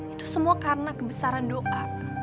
itu semua karena kebesaran doa